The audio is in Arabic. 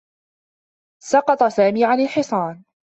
سقط سامي عن الحصان.